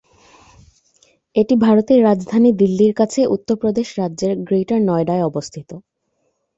এটি ভারতের রাজধানী দিল্লির কাছে উত্তরপ্রদেশ রাজ্যের গ্রেটার নয়ডায় অবস্থিত।